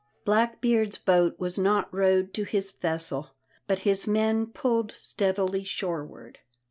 Blackbeard's boat was not rowed to his vessel, but his men pulled steadily shoreward.